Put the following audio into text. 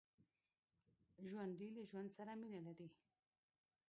ژوندي له ژوند سره مینه لري